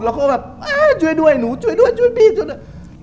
เขาก็แบบอ่าช่วยด้วยหนูช่วยด้วยช่วยพี่ช่วยด้วย